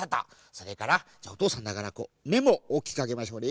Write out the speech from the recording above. それからおとうさんだからめもおおきくあけましょうね。